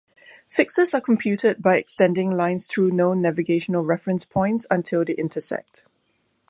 Fixes are computed by extending lines through known navigational reference points until they intersect.